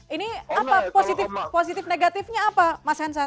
ini apa positif negatifnya apa mas hensar